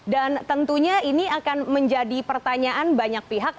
dan tentunya ini akan menjadi pertanyaan banyak pihak